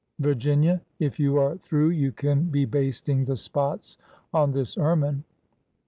Virginia, if you are through you can be basting the spots on this ermine."